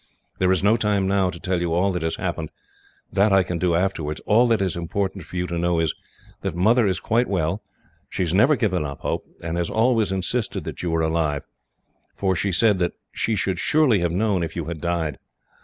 There is no time, now, to tell you all that has happened. That I can do, afterwards. All that is important for you to know, is, that Mother is quite well. She has never given up hope, and has always insisted that you were alive, for she said that she should surely have known, if you had died.